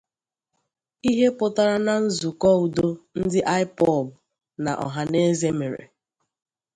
Ihe pụtara na nzụkọ udo ndị Ipob na Ohaneze mere